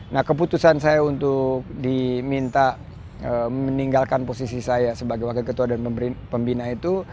nah keputusan saya untuk diminta meninggalkan posisi saya sebagai wakil ketua dan pembina itu